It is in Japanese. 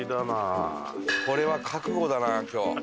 これは覚悟だな今日。